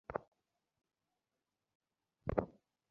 Sorry, sorry, sorry.